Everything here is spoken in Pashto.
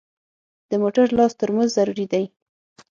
د موټر لاس ترمز ضروري دی.